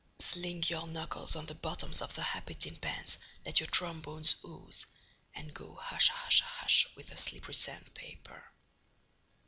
Sling your knuckles on the bottoms of the happy tin pans, let your trombones ooze, and go hushahusha hush with the slippery sand paper.